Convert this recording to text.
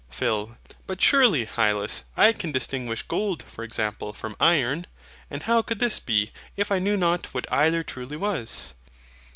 PHIL. But surely, Hylas, I can distinguish gold, for example, from iron: and how could this be, if I knew not what either truly was?